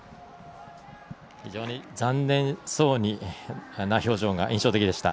非常に残念そうな表情が印象的でした。